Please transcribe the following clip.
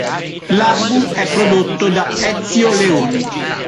L'album è prodotto da Ezio Leoni.